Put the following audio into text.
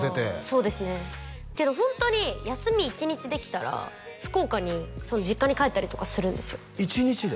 そうですねけどホントに休み１日できたら福岡に実家に帰ったりとかするんですよ１日で？